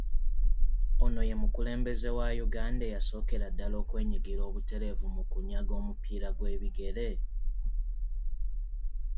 Ono ye mukulembeze wa Uganda eyasookera ddala okwenyigira obutereevu mu kukyanga omupiira gw’ebigere?